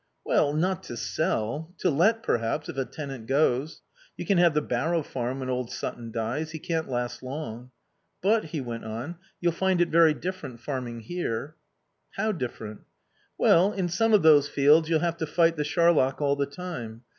"Well, not to sell. To let, perhaps, if a tenant goes. You can have the Barrow Farm when old Sutton dies. He can't last long. But," he went on, "you'll find it very different farming here." "How different?" "Well, in some of those fields you'll have to fight the charlock all the time.